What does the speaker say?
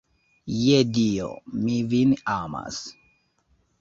Je Dio, mi vin amas.